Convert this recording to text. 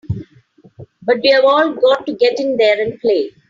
But we've all got to get in there and play!